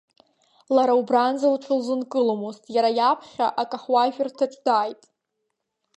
Лара убранӡа лҽылзынкыломызт, иара иаԥхьа акаҳуажәырҭаҿ дааит.